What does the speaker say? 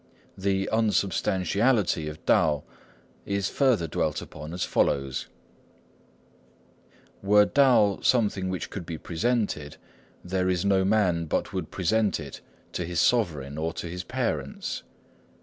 The unsubstantiality of Tao is further dwelt upon as follows:— "Were Tao something which could be presented, there is no man but would present it to his sovereign or to his parents.